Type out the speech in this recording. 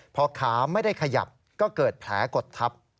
พอขาไม่ได้ขยับก็เกิดแผลกดทับ